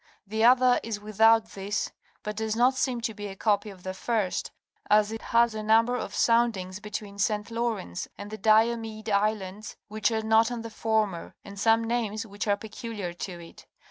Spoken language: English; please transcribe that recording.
The other is without these but does not seem to be a copy of the first as it has a number of sound ings between St. Lawrence and the Diomede Islands which are not on the former, and some names which are peculiar to it.